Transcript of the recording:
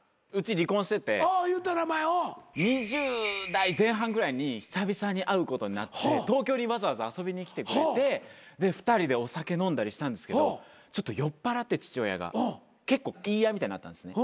２０代前半ぐらいに久々に会うことになって東京にわざわざ遊びに来てくれてで２人でお酒飲んだりしたんですけどちょっと酔っぱらって父親が結構言い合いみたいになったんですね。